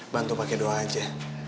bantu pake doa aja